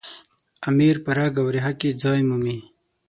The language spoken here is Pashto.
امیر په رګ او ریښه کې ځای مومي.